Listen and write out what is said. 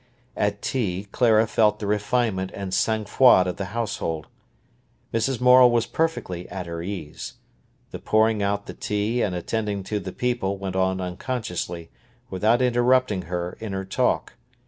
At tea Clara felt the refinement and sang froid of the household. Mrs. Morel was perfectly at her ease. The pouring out the tea and attending to the people went on unconsciously, without interrupting her in her talk.